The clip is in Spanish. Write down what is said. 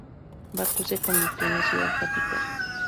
Bakú se convirtió en la ciudad capital.